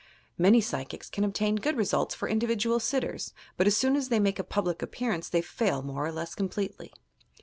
Many psychics can obtain good results for individual sitters, but as soon as they make a public appearance they fail more or less completely.